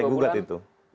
tiga bulan dua bulan